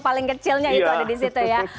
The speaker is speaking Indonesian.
paling kecilnya itu ada di situ ya